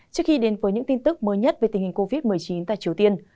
trước khi đến với những tin tức mới nhất về tình hình covid một mươi chín tại triều tiên